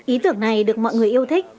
ý tưởng này được mọi người yêu thích